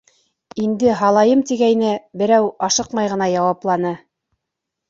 Инде һалайым тигәйне, берәү ашыҡмай ғына яуапланы: